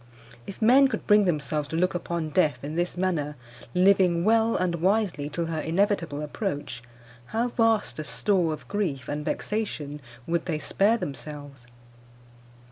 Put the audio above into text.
If men could bring themselves to look upon death in this manner, living well and wisely till her inevitable approach, how vast a store of grief and vexation would they spare themselves!